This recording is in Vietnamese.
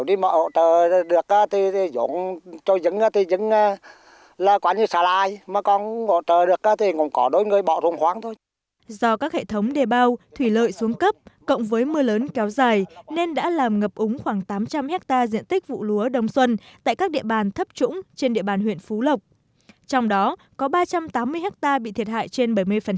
các hệ thống đề bào đã làm ngập úng khoảng tám trăm linh hectare diện tích vụ lúa đông xuân tại các địa bàn thấp trũng trên địa bàn huyện phú lộc trong đó có ba trăm tám mươi hectare bị thiệt hại trên bảy mươi